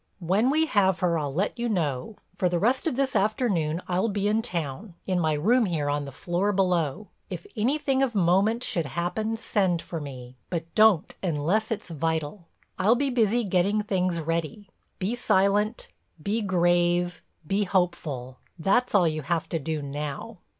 When we have her I'll let you know. For the rest of this afternoon I'll be in town, in my room here on the floor below. If anything of moment should happen send for me, but don't unless it's vital. I'll be busy getting things ready. Be silent, be grave, be hopeful—that's all you have to do now."